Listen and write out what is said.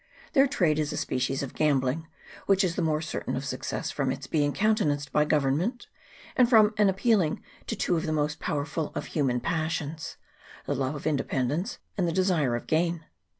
Their trade is a species of gambling, which is the more certain of success from its being countenanced by Government, and from its appealing to two of the most powerful of human passions the love of independence, and the desire of gain.